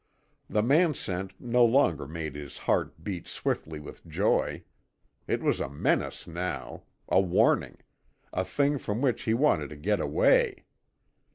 The man scent no longer made his heart beat swiftly with joy. It was a menace now. A warning. A thing from which he wanted to get away.